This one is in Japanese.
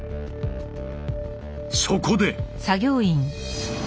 そこで！